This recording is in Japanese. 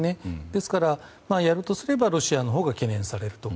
ですから、やるとすればロシアのほうが懸念されると。